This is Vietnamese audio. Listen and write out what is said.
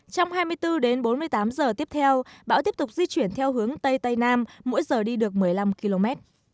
trong hai mươi bốn đến bốn mươi tám giờ tiếp theo bão tiếp tục di chuyển theo hướng tây tây nam mỗi giờ đi được một mươi năm km